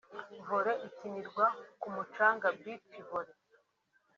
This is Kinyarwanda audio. Volley ikinirwa ku mucanga (Beach Volley)